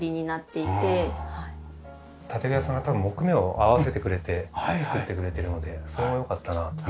建具屋さんが多分木目を合わせてくれて作ってくれているのでそれも良かったなと。